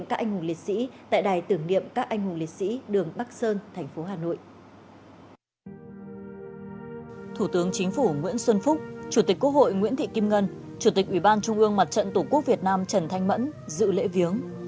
chủ tịch quốc hội nguyễn thị kim ngân chủ tịch ủy ban trung ương mặt trận tổ quốc việt nam trần thanh mẫn dự lễ viếng